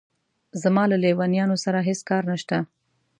زما له لېونیانو سره هېڅ کار نشته.